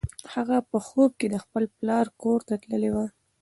هغه په خوب کې د خپل پلار کور ته تللې وه.